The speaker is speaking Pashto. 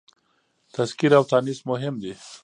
تذکير او تانيث مهم دي.